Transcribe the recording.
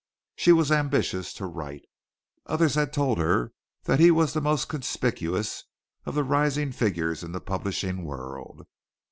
She was ambitious to write. Others had told her that he was the most conspicuous of the rising figures in the publishing world.